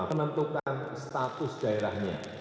untuk menentukan status daerahnya